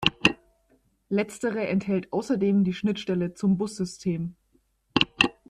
Letztere enthält außerdem die Schnittstelle zum Bus-System.